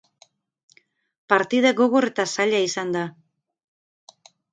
Partida gogor eta zaila izan da.